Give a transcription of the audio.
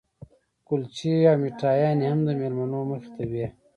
کلچې او میټایانې هم د مېلمنو مخې ته وې.